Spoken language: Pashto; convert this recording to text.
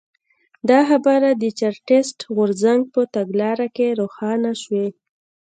دا خبره د چارټېست غورځنګ په تګلاره کې روښانه شوې.